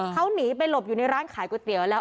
เขาหนีไปหลบอยู่ในร้านขายก๋วยเตี๋ยวแล้ว